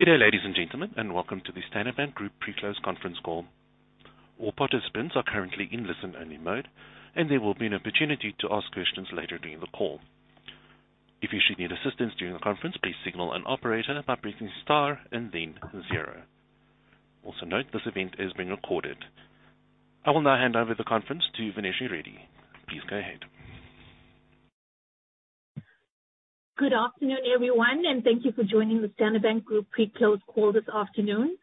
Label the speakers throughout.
Speaker 1: Good day, ladies and gentlemen, welcome to the Standard Bank Group pre-close conference call. All participants are currently in listen-only mode, and there will be an opportunity to ask questions later during the call. If you should need assistance during the conference, please signal an operator by pressing star and then zero. Also, note this event is being recorded. I will now hand over the conference to Vineshri Reddy. Please go ahead.
Speaker 2: Good afternoon, everyone, thank you for joining the Standard Bank Group pre-close call this afternoon.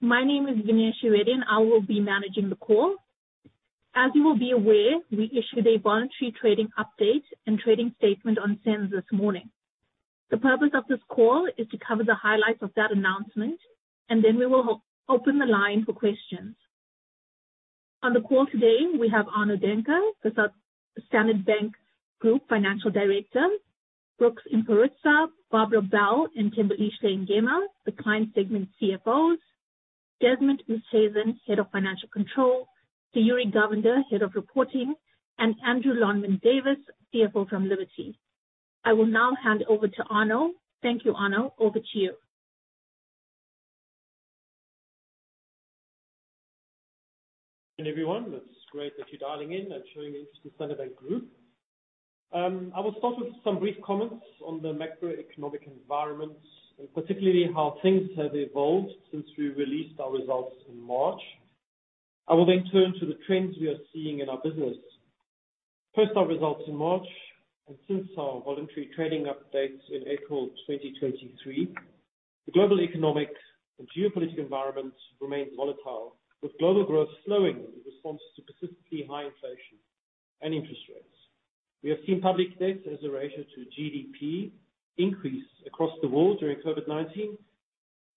Speaker 2: My name is Vineshri Reddy, and I will be managing the call. As you will be aware, we issued a voluntary trading update and trading statement on SENS this morning. The purpose of this call is to cover the highlights of that announcement, and then we will open the line for questions. On the call today, we have Arno Daehnke, the Standard Bank Group Financial Director, Brooks Mparutsa, Barbara Bell, and Thembelihle Ngema, the client segment CFOs, Desmond Oosthuizen, Head of Financial Control, Sayuri Govender, Head of Reporting, and Andrew Lonmon-Davis, CFO from Liberty. I will now hand over to Arno. Thank you, Arno. Over to you.
Speaker 3: Everyone, it's great that you're dialing in and showing interest in Standard Bank Group. I will start with some brief comments on the macroeconomic environment, and particularly how things have evolved since we released our results in March. I will then turn to the trends we are seeing in our business. Post our results in March, and since our voluntary trading update in April 2023, the global economic and geopolitical environment remains volatile, with global growth slowing in response to persistently high inflation and interest rates. We have seen public debt as a ratio to GDP increase across the world during COVID-19.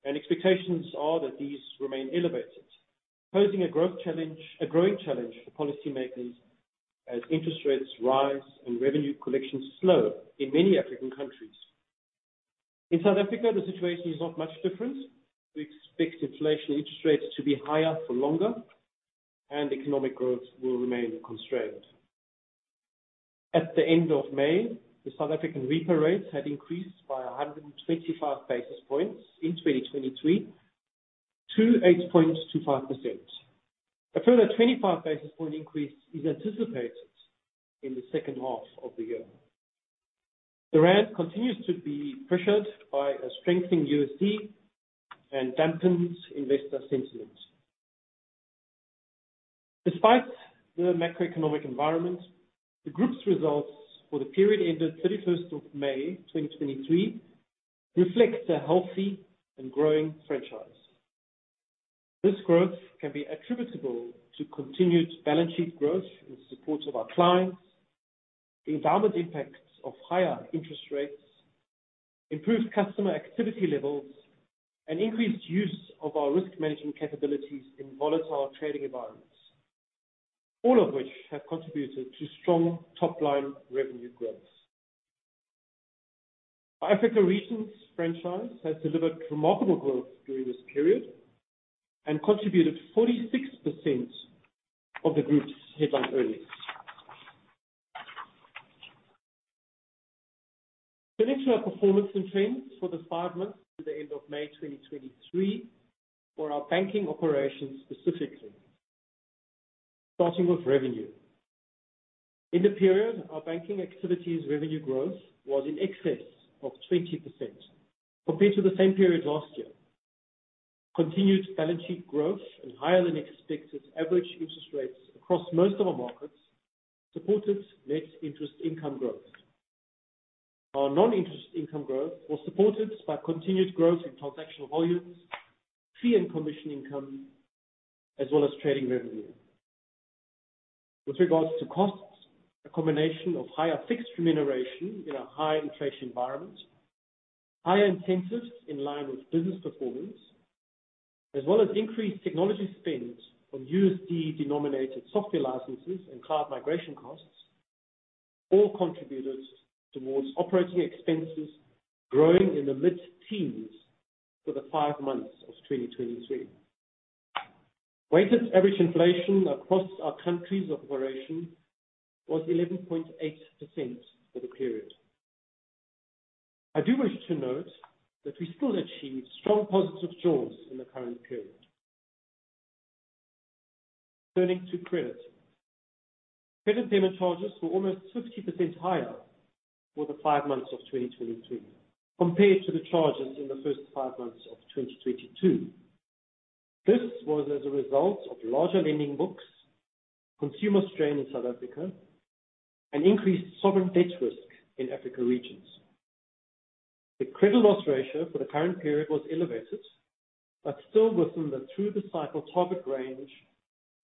Speaker 3: Expectations are that these remain elevated, posing a growing challenge for policymakers as interest rates rise and revenue collections slow in many African countries. In South Africa, the situation is not much different. We expect inflation interest rates to be higher for longer, and economic growth will remain constrained. At the end of May, the South African repo rate had increased by 125 basis points in 2023 to 8.25%. A further 25 basis point increase is anticipated in the second half of the year. The rand continues to be pressured by a strengthening USD and dampens investor sentiment. Despite the macroeconomic environment, the group's results for the period ended 31st of May, 2023, reflects a healthy and growing franchise. This growth can be attributable to continued balance sheet growth in support of our clients, the endowment impacts of higher interest rates, improved customer activity levels, and increased use of our risk management capabilities in volatile trading environments, all of which have contributed to strong top-line revenue growth. Africa Regions franchise has delivered remarkable growth during this period and contributed 46% of the group's headline earnings. Turning to our performance and trends for the five months to the end of May 2023 for our banking operations, specifically. Starting with revenue. In the period, our banking activities revenue growth was in excess of 20% compared to the same period last year. Continued balance sheet growth and higher than expected average interest rates across most of our markets supported net interest income growth. Our non-interest income growth was supported by continued growth in transactional volumes, fee and commission income, as well as trading revenue. With regards to costs, a combination of higher fixed remuneration in a high inflation environment, higher incentives in line with business performance, as well as increased technology spend on U.S.D-denominated software licenses and cloud migration costs, all contributed towards operating expenses growing in the mid-teens for the five months of 2023. Weighted average inflation across our countries of operation was 11.8% for the period. I do wish to note that we still achieved strong positive jaws in the current period. Turning to credit. Credit payment charges were almost 50% higher for the five months of 2023 compared to the charges in the first 5 months of 2022. This was as a result of larger lending books, consumer strain in South Africa, and increased sovereign debt risk in Africa regions. The credit loss ratio for the current period was elevated, still within the through-the-cycle target range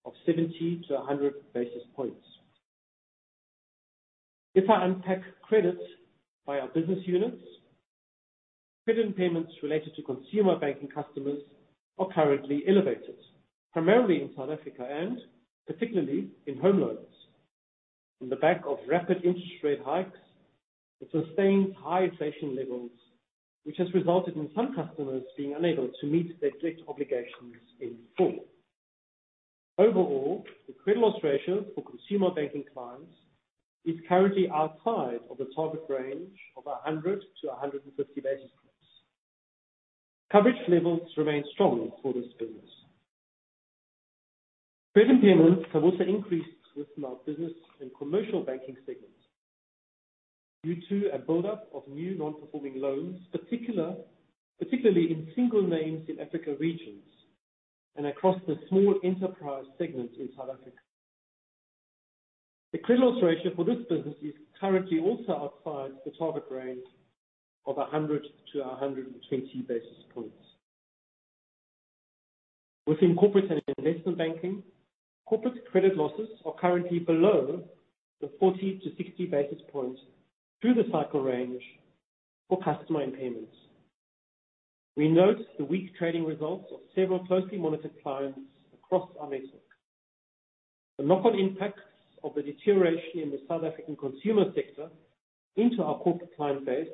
Speaker 3: of 70-100 basis points. If I unpack credit by our business units, credit payments related to consumer banking customers are currently elevated, primarily in South Africa and particularly in home loans. On the back of rapid interest rate hikes and sustained high inflation levels, which has resulted in some customers being unable to meet their debt obligations in full. Overall, the credit loss ratio for consumer banking clients is currently outside of the target range of 100-150 basis points. Coverage levels remain strong for this business. Credit payments have also increased within our business and commercial banking segment, due to a buildup of new non-performing loans, particularly in single names in Africa regions and across the small enterprise segment in South Africa. The credit loss ratio for this business is currently also outside the target range of 100-120 basis points. Within Corporate and Investment Banking, corporate credit losses are currently below the 40-60 basis points through the cycle range for customer impairments. We note the weak trading results of several closely monitored clients across our network. The knock-on impacts of the deterioration in the South African consumer sector into our corporate client base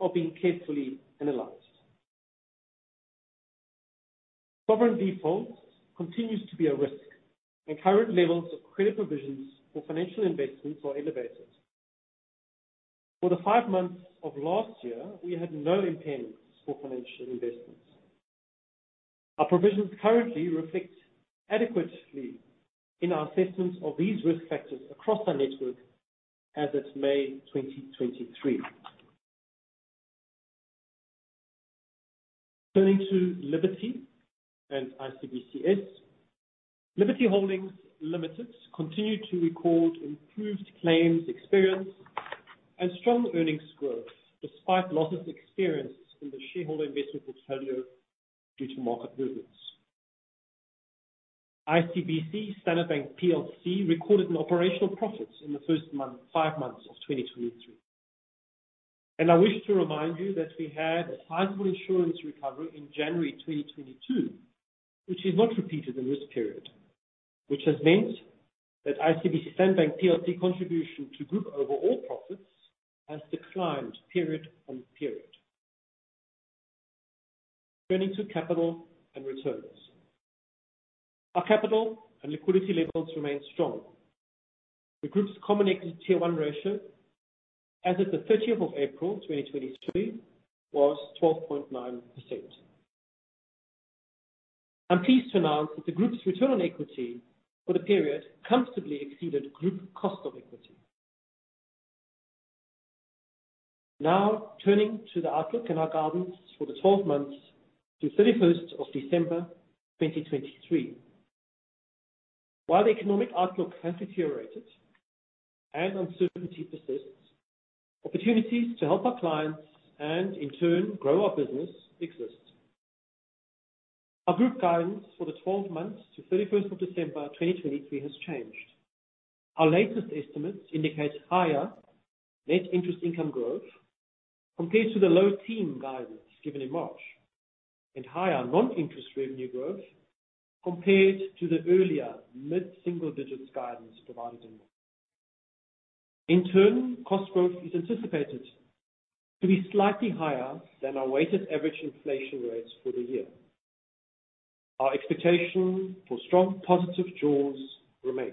Speaker 3: are being carefully analyzed. Sovereign defaults continues to be a risk, and current levels of credit provisions for financial investments are elevated. For the 5 months of last year, we had no impairments for financial investments. Our provisions currently reflect adequately in our assessments of these risk factors across our network as at May 2023. Turning to Liberty and ICBCS. Liberty Holdings Limited continued to record improved claims experience and strong earnings growth, despite losses experienced in the shareholder investment portfolio due to market movements. ICBC Standard Bank PLC recorded an operational profit in the first month, five months of 2023. I wish to remind you that we had a sizable insurance recovery in January 2022, which is not repeated in this period. Which has meant that ICBC Standard Bank PLC contribution to group overall profits has declined period-on-period. Turning to capital and returns. Our capital and liquidity levels remain strong. The group's common equity tier 1 ratio as of the 30th of April, 2023, was 12.9%. I'm pleased to announce that the group's return on equity for the period comfortably exceeded group cost of equity. Turning to the outlook and our guidance for the 12 months to 31st of December, 2023. While the economic outlook has deteriorated and uncertainty persists, opportunities to help our clients and in turn grow our business exist. Our group guidance for the 12 months to 31st of December, 2023, has changed. Our latest estimates indicate higher net interest income growth compared to the low teen guidance given in March, and higher non-interest revenue growth compared to the earlier mid-single digits guidance provided in March. Cost growth is anticipated to be slightly higher than our weighted average inflation rates for the year. Our expectation for strong positive jaws remains.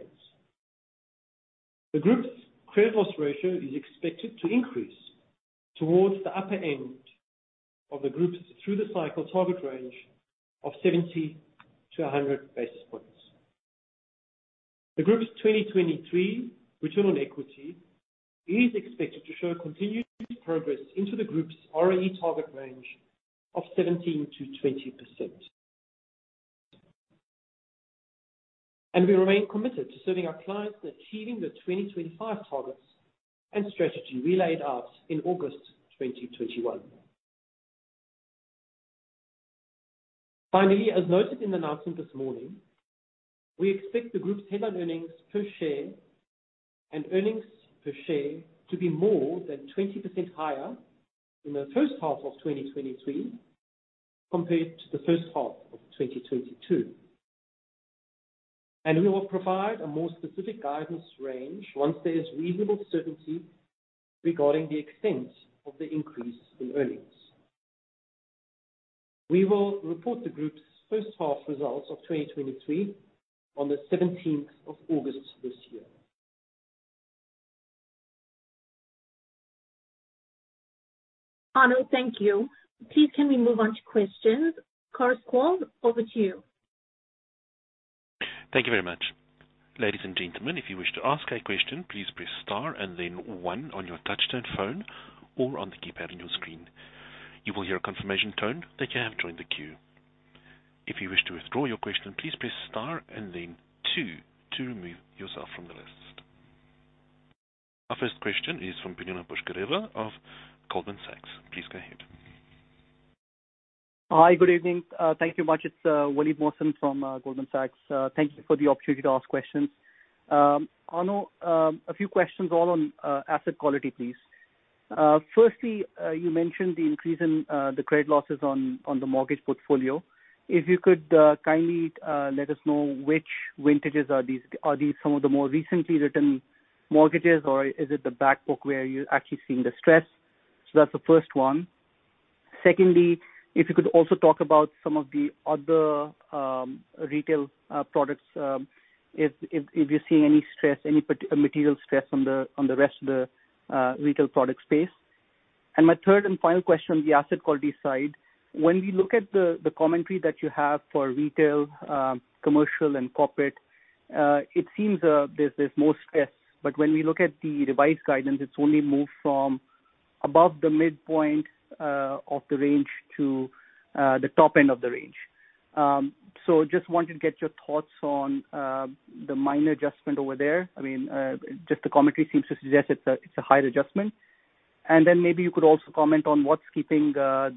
Speaker 3: The group's credit loss ratio is expected to increase towards the upper end of the group's through the cycle target range of 70-100 basis points. The group's 2023 return on equity is expected to show continued progress into the group's ROE target range of 17%-20%. We remain committed to serving our clients and achieving the 2025 targets and strategy we laid out in August 2021. Finally, as noted in the announcement this morning, we expect the group's headline earnings per share and earnings per share to be more than 20% higher in the first half of 2023 compared to the first half of 2022. We will provide a more specific guidance range once there is reasonable certainty regarding the extent of the increase in earnings. We will report the group's first half results of 2023 on the 17th of August this year.
Speaker 2: Arno, thank you. Please, can we move on to questions? Operator, over to you.
Speaker 1: Thank you very much. Ladies and gentlemen, if you wish to ask a question, please press star and then one on your touchtone phone or on the keypad on your screen. You will hear a confirmation tone that you have joined the queue. If you wish to withdraw your question, please press star and then two to remove yourself from the list. Our first question is from Binuna Pushkareva of Goldman Sachs. Please go ahead.
Speaker 4: Hi, good evening. Thank you much. It's Waleed Mohsin from Goldman Sachs. Thank you for the opportunity to ask questions. Arno, a few questions all on asset quality, please. Firstly, you mentioned the increase in the credit losses on the mortgage portfolio. If you could kindly let us know which vintages are these? Are these some of the more recently written mortgages, or is it the back book where you're actually seeing the stress? That's the first one. Secondly, if you could also talk about some of the other retail products, if you're seeing any stress, any material stress on the rest of the retail product space. My third and final question, on the asset quality side. When we look at the commentary that you have for retail, commercial, and corporate, it seems there's more stress. When we look at the revised guidance, it's only moved from above the midpoint of the range to the top end of the range. Just wanted to get your thoughts on the minor adjustment over there. I mean, just the commentary seems to suggest it's a higher adjustment. Maybe you could also comment on what's keeping the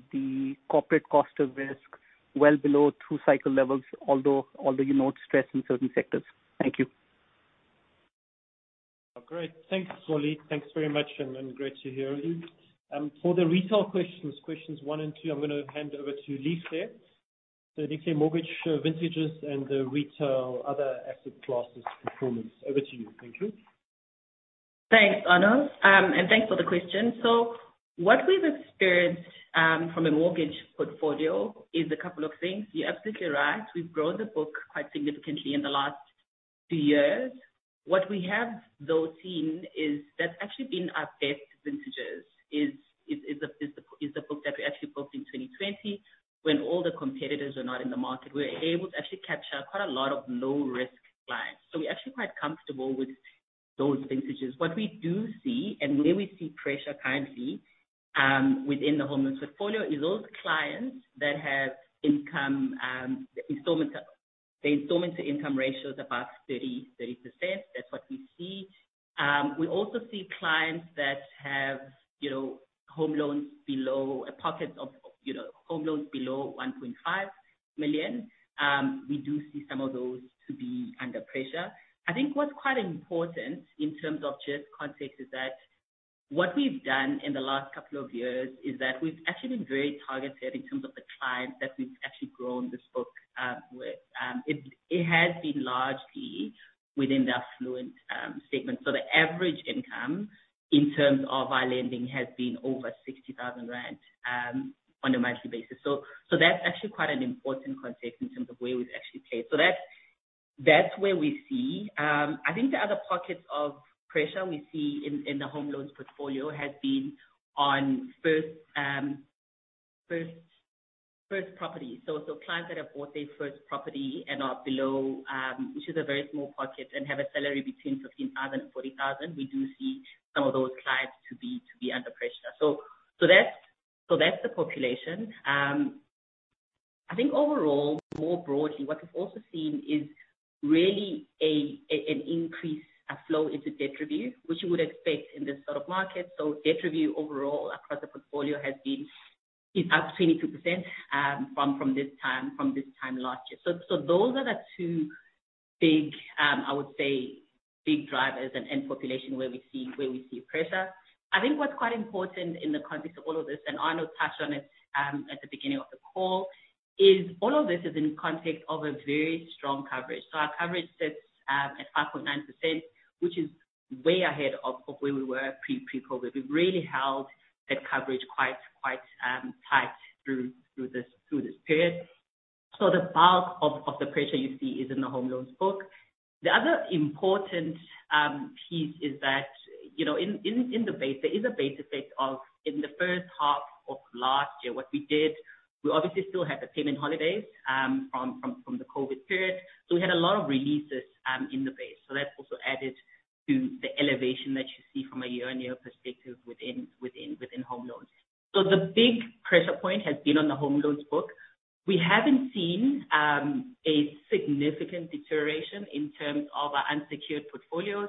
Speaker 4: corporate cost of risk well below two cycle levels, although you note stress in certain sectors. Thank you.
Speaker 3: Great. Thanks, Waleed. Thanks very much, and great to hear you. For the retail questions one and two, I'm gonna hand over to Lisa. The mortgage vintages and the retail, other asset classes performance. Over to you. Thank you.
Speaker 5: Thanks, Arno. Thanks for the question. What we've experienced from a mortgage portfolio is a couple of things. You're absolutely right. We've grown the book quite significantly in the last two years. What we have, though, seen is that actually been our best vintages is the book that we actually built in 2020, when all the competitors were not in the market. We were able to actually capture quite a lot of low-risk clients. We're actually quite comfortable with those vintages. What we do see, and where we see pressure currently within the home loans portfolio, is those clients that have income. The installment to income ratio is above 30%. That's what we see. We also see clients that have, you know, home loans below a pocket of, you know, home loans below 1.5 million. We do see some of those to be under pressure. I think what's quite important in terms of just context, is that what we've done in the last couple of years is that we've actually been very targeted in terms of the clients that we've actually grown this book with. It, it has been largely within the affluent segment. The average income, in terms of our lending, has been over 60,000 rand on a monthly basis. That's actually quite an important context in terms of where we've actually played. That's, that's where we see. I think the other pockets of pressure we see in the home loans portfolio has been on first property. Clients that have bought their first property and are below, which is a very small pocket, and have a salary between 15,000 and 40,000, we do see some of those clients to be under pressure. That's the population. I think overall, more broadly, what we've also seen is really an increase, a flow into debt review, which you would expect in this sort of market. Debt review overall across the portfolio is up 22% from this time last year. Those are the two big, I would say, big drivers and population where we see pressure. I think what's quite important in the context of all of this, Arno touched on it at the beginning of the call, is all of this is in context of a very strong coverage. Our coverage sits at 5.9%, which is way ahead of where we were pre-COVID-19. We've really held that coverage quite tight through this period. The bulk of the pressure you see is in the home loans book. The other important piece is that, you know, in the base, there is a base effect of in the first half of last year, what we did, we obviously still had the payment holidays from the COVID-19 period. We had a lot of releases in the base. That's also added to the elevation that you see from a year-on-year perspective within home loans. The big pressure point has been on the home loans book. We haven't seen a significant deterioration in terms of our unsecured portfolios,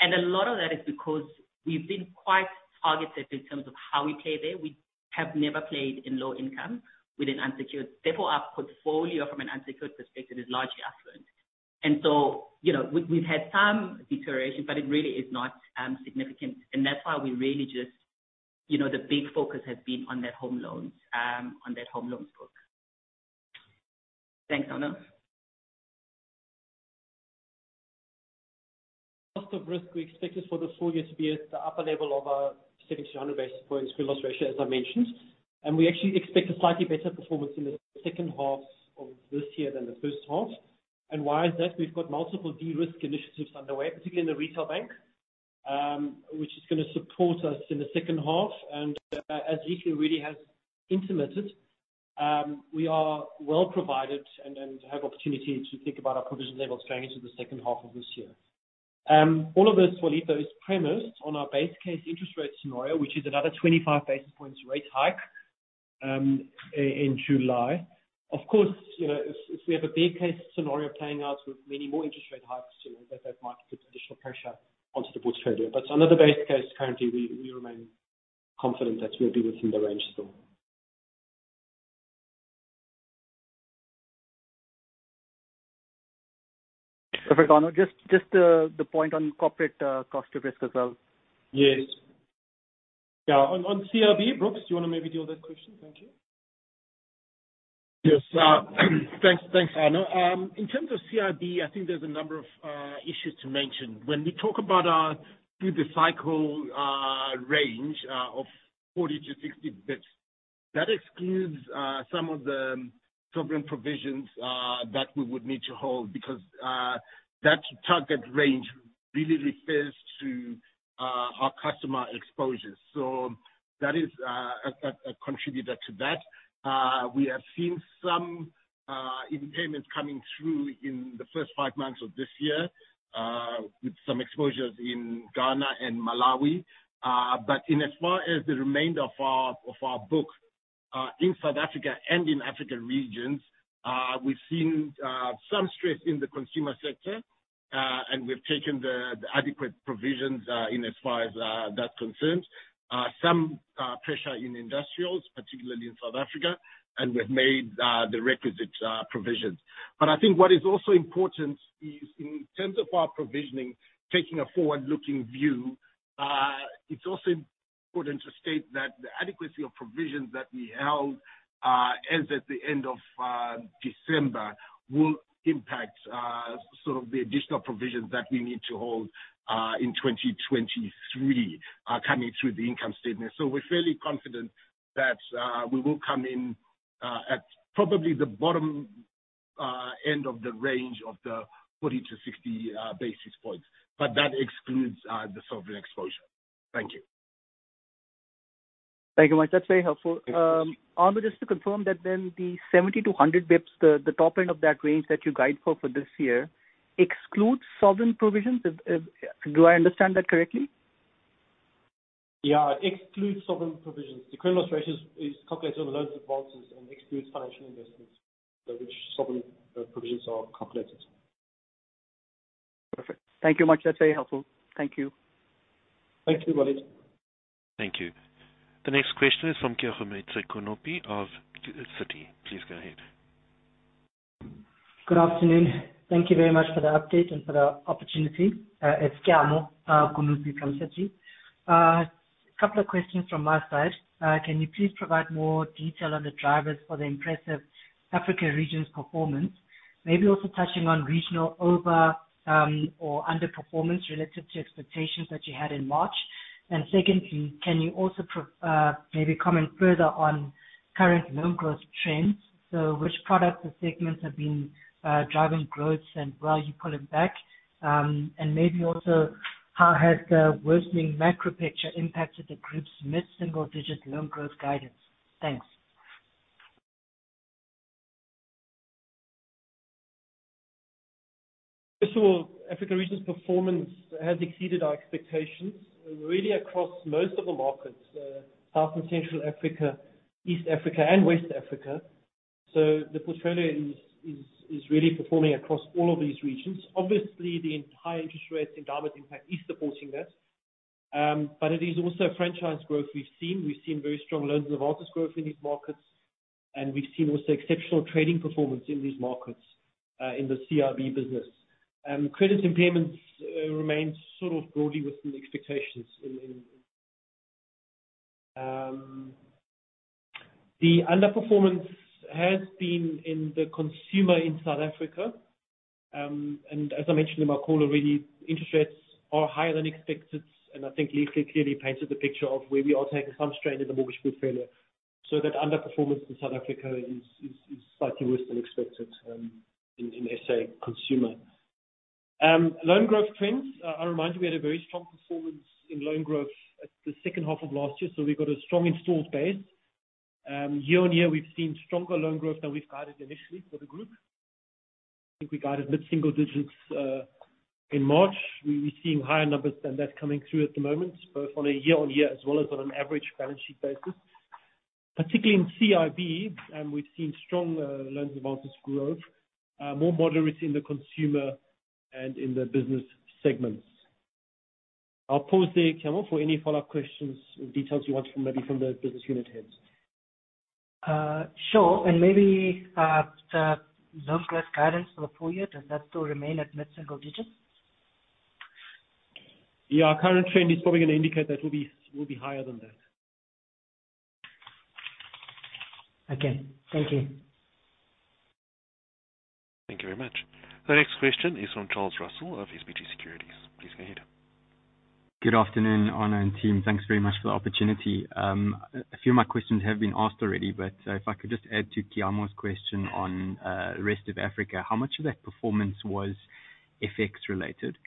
Speaker 5: and a lot of that is because we've been quite targeted in terms of how we play there. We have never played in low income with an unsecured. Therefore, our portfolio from an unsecured perspective, is largely affluent. You know, we've had some deterioration, but it really is not significant. That's why we really just, you know, the big focus has been on that home loans book. Thanks, Arno.
Speaker 3: Cost of risk, we expected for this full year to be at the upper level of our 60-100 basis points risk ratio, as I mentioned. We actually expect a slightly better performance in the second half of this year than the first half. Why is that? We've got multiple de-risk initiatives underway, particularly in the retail bank, which is gonna support us in the second half. As Lisa really has intimated, we are well provided and have opportunity to think about our provision levels going into the second half of this year. All of this, Waleed, though, is premised on our base case interest rate scenario, which is another 25 basis points rate hike in July. Of course, you know, if we have a base case scenario playing out with many more interest rate hikes, you know, that might put additional pressure onto the portfolio. Under the base case, currently, we remain confident that we'll be within the range still.
Speaker 4: Perfect, Arno. Just the point on corporate cost of risk as well.
Speaker 3: Yes. Yeah, on CRB, Brooks, do you want to maybe do that question? Thank you.
Speaker 6: Yes, thanks, Arno. In terms of CIB, I think there's a number of issues to mention. When we talk about through the cycle range of 40-60 bps, that excludes some of the sovereign provisions that we would need to hold because that target range really refers to our customer exposures. That is a contributor to that. We have seen some impairments coming through in the first five months of this year with some exposures in Ghana and Malawi. In as far as the remainder of our book in South Africa and in African regions, we've seen some stress in the consumer sector, and we've taken the adequate provisions in as far as that's concerned. Some pressure in industrials, particularly in South Africa, and we've made the requisite provisions. I think what is also important is in terms of our provisioning, taking a forward-looking view, it's also important to state that the adequacy of provisions that we held as at the end of December, will impact sort of the additional provisions that we need to hold in 2023, coming through the income statement. We're fairly confident that we will come in at probably the bottom end of the range of the 40-60 basis points, but that excludes the sovereign exposure. Thank you.
Speaker 4: Thank you very much. That's very helpful. Arno, just to confirm that then the 70-100 basis points, the top end of that range that you guide for this year excludes sovereign provisions? Do I understand that correctly?
Speaker 3: Yeah, excludes sovereign provisions. The credit loss ratio is calculated over loans advances and excludes financial investments, so which sovereign provisions are calculated.
Speaker 4: Perfect. Thank you much. That's very helpful. Thank you.
Speaker 3: Thank you, Walid.
Speaker 1: Thank you. The next question is from Kiamo Kunupi of Citi. Please go ahead.
Speaker 7: Good afternoon. Thank you very much for the update and for the opportunity. It's Kiamo, Kunupi from Citi. Couple of questions from my side. Can you please provide more detail on the drivers for the impressive Africa Regions performance? Maybe also touching on regional over or underperformance related to expectations that you had in March. Secondly, can you also maybe comment further on current loan growth trends? So which products or segments have been driving growth and where are you pulling back? And maybe also, how has the worsening macro picture impacted the group's mid-single-digit loan growth guidance? Thanks.
Speaker 3: Africa regions performance has exceeded our expectations, really across most of the markets, South and Central Africa, East Africa and West Africa. The portfolio is really performing across all of these regions. Obviously, the higher interest rates environment impact is supporting that. It is also franchise growth we've seen. We've seen very strong loans and advances growth in these markets, and we've seen also exceptional trading performance in these markets in the CIB business. Credit impairments remains sort of broadly within expectations. The underperformance has been in the consumer in South Africa. As I mentioned in my call already, interest rates are higher than expected, and I think clearly painted the picture of where we are taking some strain in the mortgage portfolio. That underperformance in South Africa is slightly worse than expected in SA consumer. Loan growth trends, I remind you, we had a very strong performance in loan growth at the second half of last year, so we've got a strong installed base. Year-on-year, we've seen stronger loan growth than we've guided initially for the group. I think we guided mid-single digits in March. We're seeing higher numbers than that coming through at the moment, both on a year-on-year, as well as on an average balance sheet basis. Particularly in CIB, we've seen strong loans advances growth, more moderate in the consumer and in the business segments. I'll pause there, Kiamo, for any follow-up questions or details you want from maybe from the business unit heads.
Speaker 7: Sure. Maybe the loan growth guidance for the full year, does that still remain at mid-single digits?
Speaker 3: Yeah, our current trend is probably going to indicate that will be higher than that.
Speaker 7: Okay. Thank you.
Speaker 1: Thank you very much. The next question is from Charles Russell of SBG Securities. Please go ahead.
Speaker 8: Good afternoon, Arno and team. Thanks very much for the opportunity. A few of my questions have been asked already, but if I could just add to Kiamo's question on rest of Africa, how much of that performance was FX related?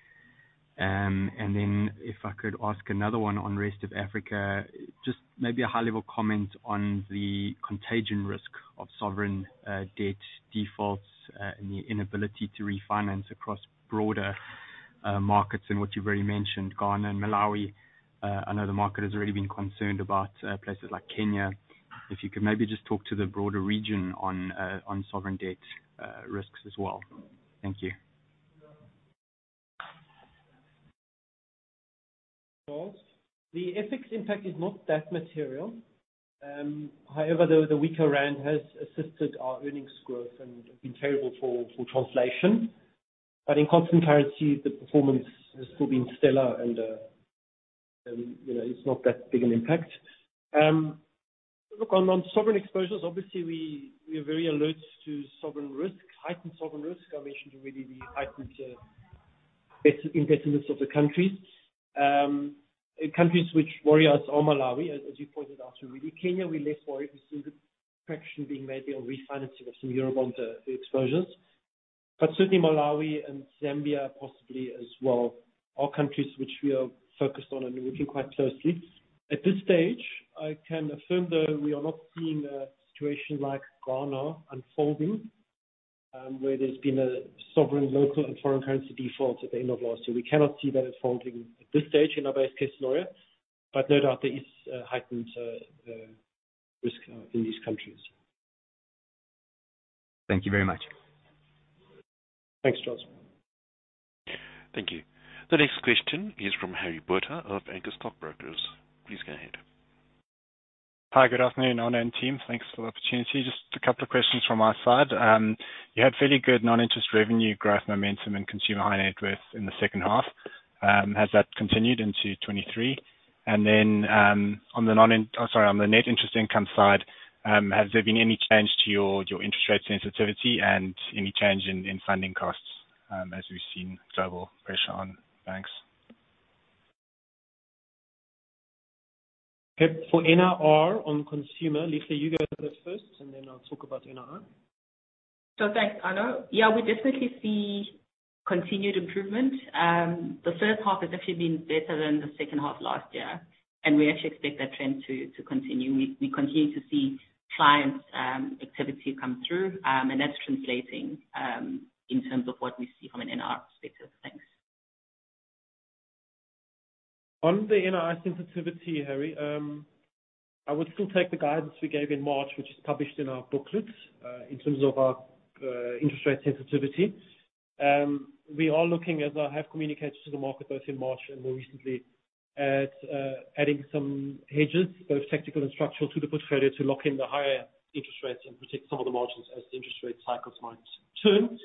Speaker 8: Then if I could ask another one on rest of Africa, just maybe a high level comment on the contagion risk of sovereign debt defaults and the inability to refinance across broader markets in which you've already mentioned, Ghana and Malawi. I know the market has already been concerned about places like Kenya. If you could maybe just talk to the broader region on sovereign debt risks as well. Thank you.
Speaker 3: Charles, the FX impact is not that material. The weaker rand has assisted our earnings growth and been terrible for translation. In constant currency, the performance has still been stellar and, you know, it's not that big an impact. Look, on sovereign exposures, obviously, we are very alert to sovereign risk, heightened sovereign risk. I mentioned already the heightened indebtedness of the countries. Countries which worry us are Malawi, as you pointed out to already. Kenya, we're less worried. We see good progression being made on refinancing of some Eurobond exposures. Certainly Malawi and Zambia possibly as well, are countries which we are focused on and looking quite closely. At this stage, I can affirm that we are not seeing a situation like Ghana unfolding, where there's been a sovereign, local, and foreign currency default at the end of last year. We cannot see that unfolding at this stage in our base case scenario. No doubt there is heightened risk in these countries.
Speaker 8: Thank you very much.
Speaker 3: Thanks, Charles.
Speaker 1: Thank you. The next question is from Harry Botha of Anchor Stockbrokers. Please go ahead.
Speaker 9: Hi, good afternoon, Arno and team. Thanks for the opportunity. Just a couple of questions from our side. You had fairly good non-interest revenue growth, momentum, and Consumer High Net Worth in the second half. Has that continued into 2023? On the net interest income side, has there been any change to your interest rate sensitivity and any change in funding costs, as we've seen global pressure on banks?
Speaker 3: For NRR on consumer, Lisa, you go first, and then I'll talk about NRR.
Speaker 5: Thanks, Arno. Yeah, we definitely see continued improvement. The first half has actually been better than the second half last year, and we actually expect that trend to continue. We continue to see clients activity come through, and that's translating in terms of what we see from an NRR perspective. Thanks.
Speaker 3: On the NRR sensitivity, Harry, I would still take the guidance we gave in March, which is published in our booklet, in terms of our interest rate sensitivity. We are looking, as I have communicated to the market, both in March and more recently, at adding some hedges, both tactical and structural, to the portfolio to lock in the higher interest rates and protect some of the margins as the interest rate cycles might turn.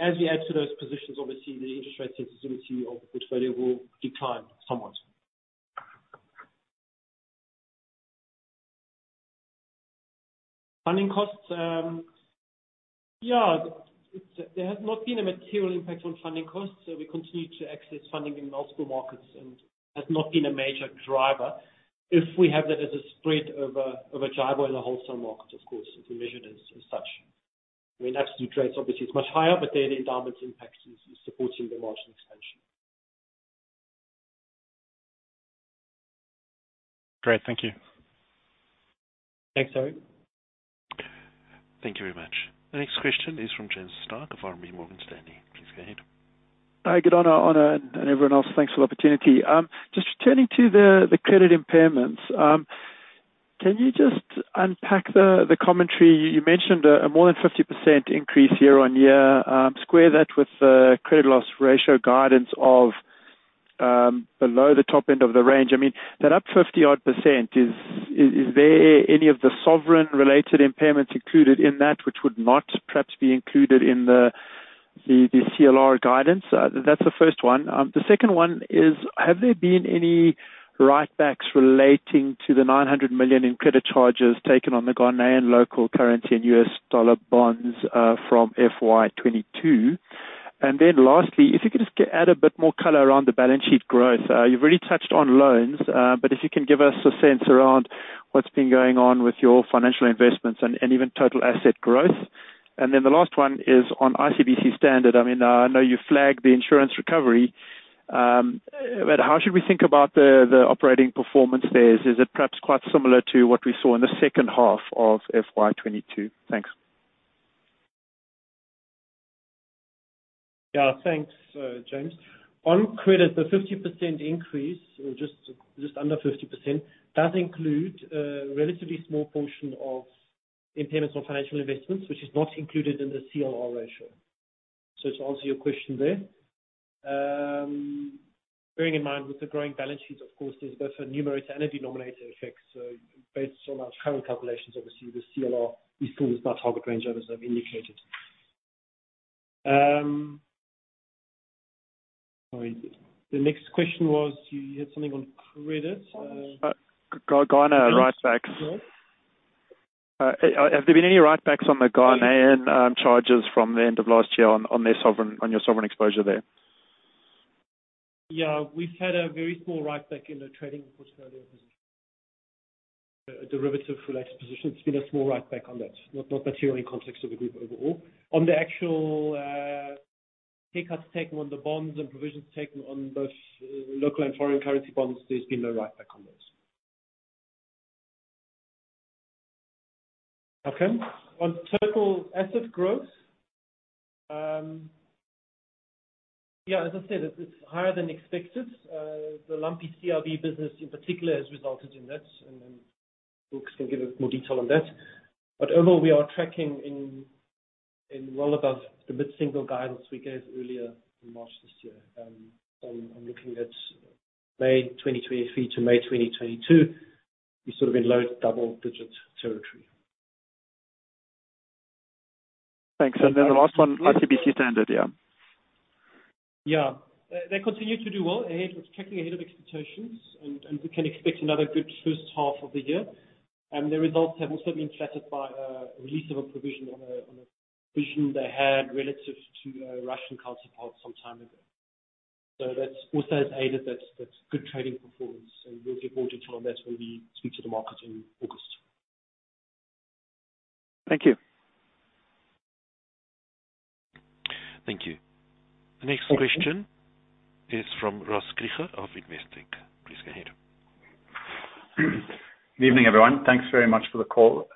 Speaker 3: As we add to those positions, obviously, the interest rate sensitivity of the portfolio will decline somewhat. Funding costs, yeah, there has not been a material impact on funding costs, so we continue to access funding in multiple markets, and has not been a major driver. If we have that as a spread over JIBAR in the wholesale market, of course, if we measure it as such. I mean, absolute rates, obviously it's much higher, but the endowment impact is supporting the margin expansion.
Speaker 9: Great. Thank you.
Speaker 3: Thanks, Harry.
Speaker 1: Thank you very much. The next question is from James Starke of RMB Morgan Stanley. Please go ahead.
Speaker 10: Hi, good Arno, and everyone else. Thanks for the opportunity. Just turning to the credit impairments, can you just unpack the commentary? You mentioned a more than 50% increase year-on-year. Square that with the credit loss ratio guidance of below the top end of the range. I mean, that up 50 odd percent, is there any of the sovereign-related impairments included in that, which would not perhaps be included in the CLR guidance? That's the first one. The second one is, have there been any write backs relating to the $900 million in credit charges taken on the Ghanaian local currency and U.S. dollar bonds from FY 2022? Lastly, if you could just add a bit more color around the balance sheet growth. You've already touched on loans, but if you can give us a sense around what's been going on with your financial investments and even total asset growth. The last one is on ICBC Standard. I mean, I know you flagged the insurance recovery, but how should we think about the operating performance there? Is it perhaps quite similar to what we saw in the second half of FY 2022? Thanks.
Speaker 3: Yeah. Thanks, James. On credit, the 50% increase, or just under 50%, does include a relatively small portion of impairments on financial investments, which is not included in the CLR ratio. To answer your question there, bearing in mind with the growing balance sheet, of course, there's both a numerous and a denominator effect. Based on our current calculations, obviously, the CLR is still not target range, as I've indicated. Sorry, the next question was, you had something on credit.
Speaker 10: Ghana write backs.
Speaker 3: Yeah.
Speaker 10: Have there been any write backs on the Ghanaian charges from the end of last year on your sovereign exposure there?
Speaker 3: Yeah, we've had a very small write back in the trading portfolio position, a derivative-related position. It's been a small write back on that, not material in context of the group overall. On the actual, take on the bonds and provisions taken on both local and foreign currency bonds, there's been no write back on those. Okay. On total asset growth, yeah, as I said, it's higher than expected. The lumpy CRB business in particular has resulted in that, then folks can give us more detail on that. Overall, we are tracking in well above the mid-single guidance we gave earlier in March this year. I'm looking at May 2023-May 2022, we're sort of in low double digits territory.
Speaker 11: Thanks. The last one, ICBC Standard, yeah.
Speaker 3: Yeah. They continue to do well, ahead, with tracking ahead of expectations, and we can expect another good first half of the year. The results have also been flattered by release of a provision on a provision they had relative to a Russian counterpart some time ago. That's also has aided that good trading performance, and we'll give more detail on that when we speak to the market in August.
Speaker 11: Thank you.
Speaker 1: Thank you. The next question is from Ross Krige of Investec. Please go ahead.
Speaker 12: Good evening, everyone. Thanks very much for the call.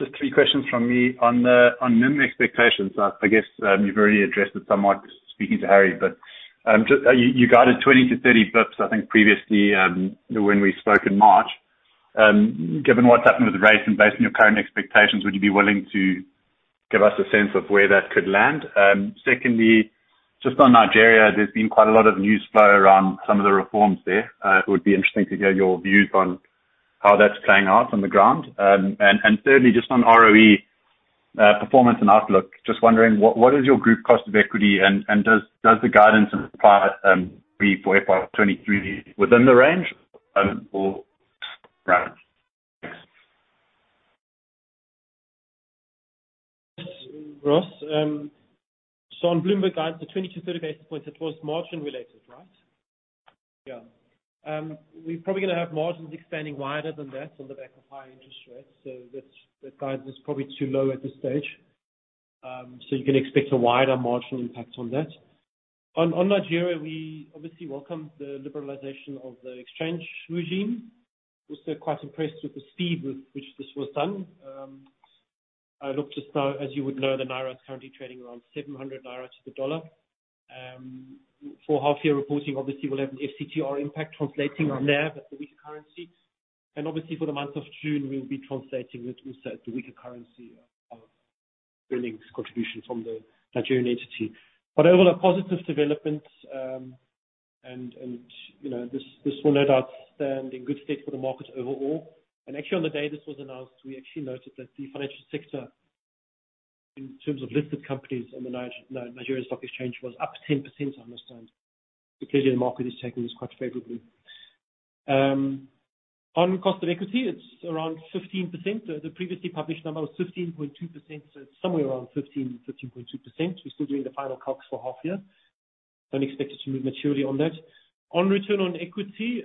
Speaker 12: Just three questions from me on the, on NIM expectations. I guess, you've already addressed it somewhat speaking to Harry, but, just, you guided 20-30 bips, I think, previously, when we spoke in March. Given what's happened with the rates and based on your current expectations, would you be willing to give us a sense of where that could land? Secondly, just on Nigeria, there's been quite a lot of news flow around some of the reforms there. It would be interesting to hear your views on how that's playing out on the ground. Thirdly, just on ROE, performance and outlook, just wondering what is your group cost of equity, and does the guidance imply, be for FY 2023 within the range, or right? Thanks.
Speaker 3: Ross, on Bloomberg Guide, the 20-30 basis points, it was margin related, right? Yeah. We're probably going to have margins expanding wider than that on the back of high interest rates. That guide is probably too low at this stage. You can expect a wider marginal impact on that. On Nigeria, we obviously welcome the liberalization of the exchange regime. Also, quite impressed with the speed with which this was done. I look just now, as you would know, the Naira is currently trading around 700 naira to the dollar. For half year reporting, obviously, we'll have an FCTR impact translating on there, the weaker currency. Obviously, for the month of June, we'll be translating that also, the weaker currency of earnings contribution from the Nigerian entity. Overall, a positive development. you know, this will no doubt stand in good state for the market overall. Actually, on the day this was announced, we actually noted that the financial sector, in terms of listed companies on the Nigerian Stock Exchange, was up 10%, I understand, because the market is taking this quite favorably. On cost of equity, it's around 15%. The previously published number was 15.2%, so it's somewhere around 15%-15.2%. We're still doing the final calc for half year. Don't expect it to move materially on that. On return on equity,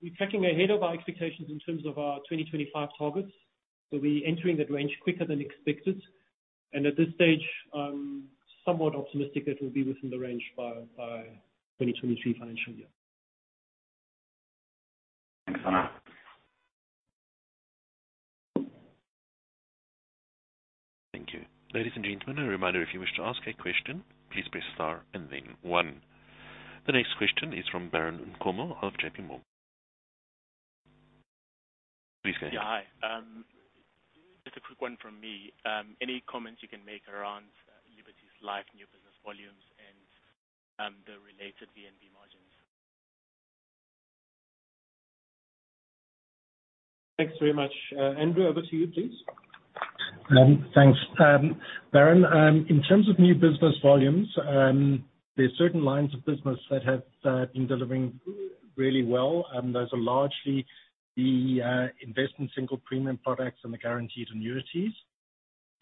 Speaker 3: we're tracking ahead of our expectations in terms of our 2025 targets. We're entering that range quicker than expected. At this stage, I'm somewhat optimistic that will be within the range by 2023 financial year.
Speaker 12: Thanks, Arno.
Speaker 1: Thank you. Ladies and gentlemen, a reminder, if you wish to ask a question, please press star and then one. The next question is from Baron Nkomo of JPMorgan. Please go ahead.
Speaker 11: Yeah. Hi, just a quick one from me. Any comments you can make around Liberty's Life new business volumes and the related VNB margins?
Speaker 3: Thanks very much. Andrew, over to you, please.
Speaker 13: Thanks. Baron, in terms of new business volumes, there are certain lines of business that have been delivering really well, and those are largely the investment single premium products and the guaranteed annuities.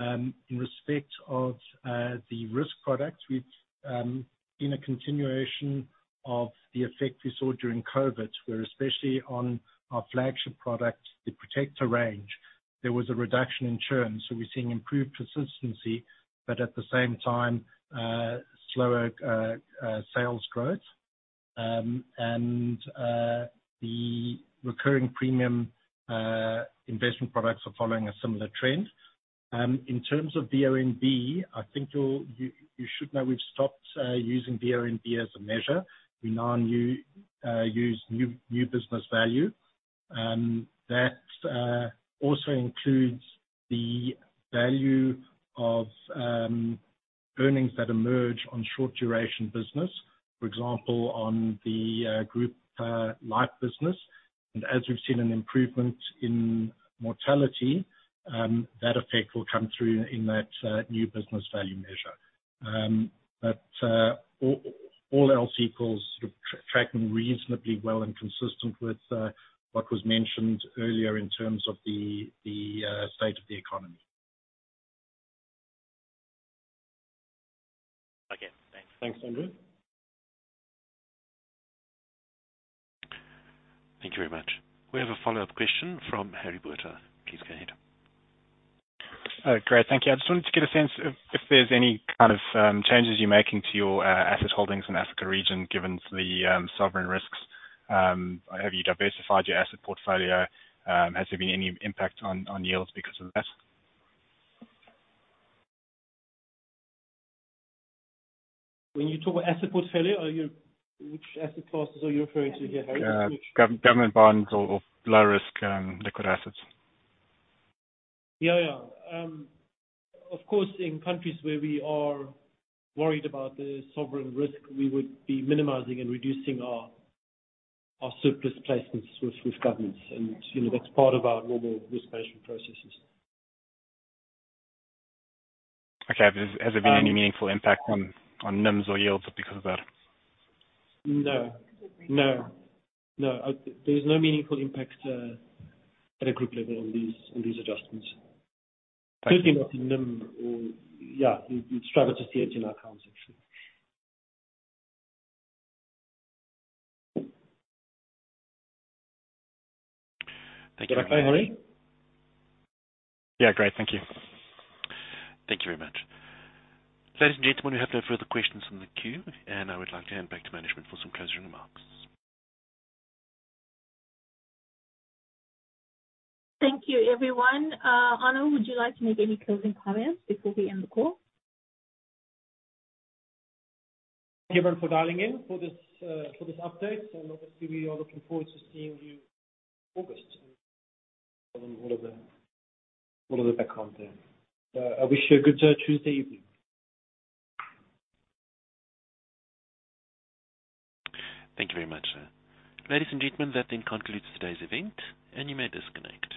Speaker 13: In respect of the risk products, we've in a continuation of the effect we saw during COVID, where especially on our flagship product, the Protector range, there was a reduction in churn. We're seeing improved persistency, but at the same time, slower sales growth. The recurring premium investment products are following a similar trend. In terms of the VNB, I think you should know we've stopped using VNB as a measure. We now use new business value. That also includes the value of earnings that emerge on short duration business, for example, on the group life business. As we've seen an improvement in mortality, that effect will come through in that new business value measure. All else equals sort of tracking reasonably well and consistent with what was mentioned earlier in terms of the state of the economy.
Speaker 11: Okay, thanks.
Speaker 3: Thanks, Andrew.
Speaker 1: Thank you very much. We have a follow-up question from Harry Botha. Please go ahead.
Speaker 9: Great. Thank you. I just wanted to get a sense of if there's any kind of changes you're making to your asset holdings in Africa region, given the sovereign risks. Have you diversified your asset portfolio? Has there been any impact on yields because of that?
Speaker 3: When you talk about asset portfolio, Which asset classes are you referring to here, Harry?
Speaker 9: government bonds or low risk, liquid assets.
Speaker 3: Yeah, yeah. Of course, in countries where we are worried about the sovereign risk, we would be minimizing and reducing our surplus placements with governments. You know, that's part of our normal risk management processes.
Speaker 9: Okay. Has there been any meaningful impact on NIMs or yields because of that?
Speaker 3: No. No. No, there's no meaningful impact at a group level on these adjustments.
Speaker 9: Thanks.
Speaker 3: Could be not in NIM or, yeah, you'd struggle to see it in our accounts, actually.
Speaker 1: Thank you.
Speaker 3: Bye, Harry.
Speaker 9: Yeah, great. Thank you.
Speaker 1: Thank you very much. Ladies and gentlemen, we have no further questions in the queue. I would like to hand back to management for some closing remarks.
Speaker 2: Thank you, everyone. Arno, would you like to make any closing comments before we end the call?
Speaker 3: Thank you everyone for dialing in for this, for this update. Obviously, we are looking forward to seeing you August, all of the background there. I wish you a good Tuesday evening.
Speaker 1: Thank you very much. Ladies and gentlemen, that then concludes today's event. You may disconnect.